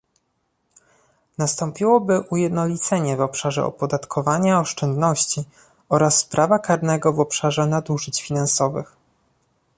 Nastąpiłoby ujednolicenie w obszarze opodatkowania oszczędności oraz prawa karnego w obszarze nadużyć finansowych